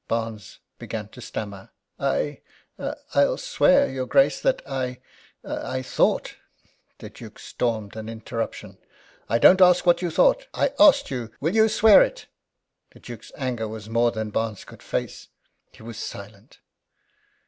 Barnes began to stammer: "I I'll swear, your Grace, that I I thought " The Duke stormed an interruption: "I don't ask what you thought. I ask you, will you swear it was?" The Duke's anger was more than Barnes could face. He was silent.